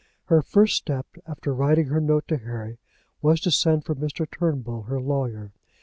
Her first step after writing her note to Harry was to send for Mr. Turnbull, her lawyer.